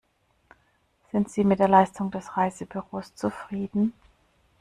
Sind Sie mit der Leistung des Reisebüros zufrieden?